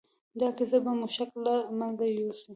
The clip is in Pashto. دا کيسه به مو شک له منځه يوسي.